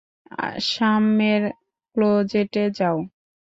সামমের ক্লোজেটে যাও।